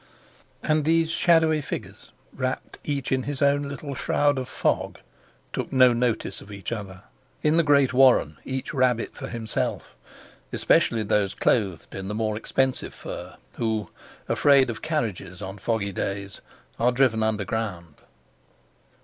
And these shadowy figures, wrapped each in his own little shroud of fog, took no notice of each other. In the great warren, each rabbit for himself, especially those clothed in the more expensive fur, who, afraid of carriages on foggy days, are driven underground.